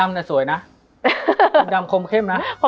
มันทำให้ชีวิตผู้มันไปไม่รอด